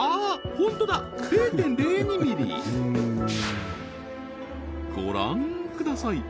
ホントだ０．０２ｍｍご覧ください